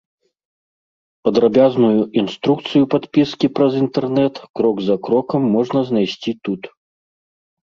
Падрабязную інструкцыю падпіскі праз інтэрнэт крок за крокам можна знайсці тут.